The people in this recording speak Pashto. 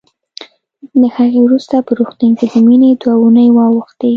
له هغې وروسته په روغتون کې د مينې دوه اوونۍ واوښتې